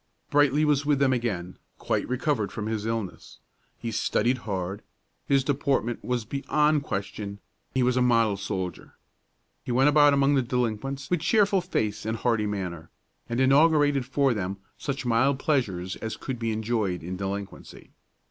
Brightly was with them again, quite recovered from his illness. He studied hard; his deportment was beyond question; he was a model soldier. He went about among the delinquents with cheerful face and hearty manner, and inaugurated for them such mild pleasures as could be enjoyed in delinquency.